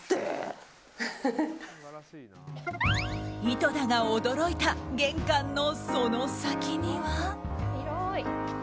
井戸田が驚いた玄関のその先には。